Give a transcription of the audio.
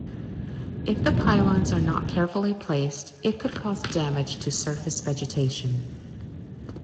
If the pylons are not carefully placed, it could cause damage to surface vegetation.